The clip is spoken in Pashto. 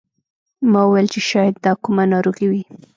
ما وویل چې شاید دا کومه ناروغي وي.